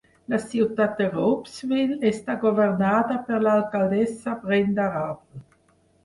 La ciutat de Ropesville està governada per l'alcaldessa Brenda Rabel.